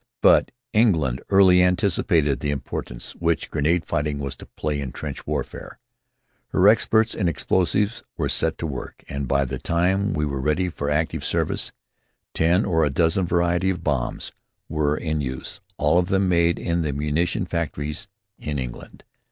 But England early anticipated the importance which grenade fighting was to play in trench warfare. Her experts in explosives were set to work, and by the time we were ready for active service, ten or a dozen varieties of bombs were in use, all of them made in the munition factories in England.